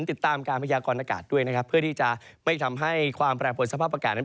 ติดตามการพยากรณากาศด้วยนะครับเพื่อที่จะไม่ทำให้ความแปรผลสภาพอากาศนั้น